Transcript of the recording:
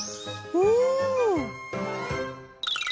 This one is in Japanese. うん。